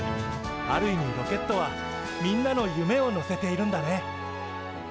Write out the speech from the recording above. ある意味ロケットはみんなの夢を乗せているんだね。